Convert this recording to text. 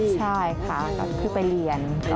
ใช่ค่ะก็คือไปเรียน